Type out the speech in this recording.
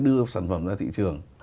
đưa sản phẩm ra thị trường